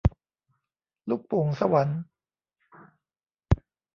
ลูกโป่งสวรรค์